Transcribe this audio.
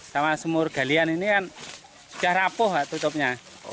sama sumur galian ini kan sudah rapuh tutupnya